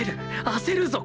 焦るぞ！